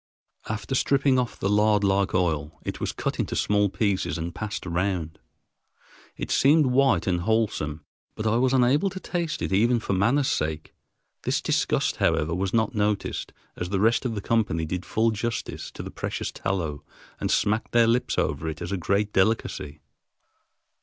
After stripping off the lard like oil, it was cut into small pieces and passed round. It seemed white and wholesome, but I was unable to taste it even for manner's sake. This disgust, however, was not noticed, as the rest of the company did full justice to the precious tallow and smacked their lips over it as a great delicacy.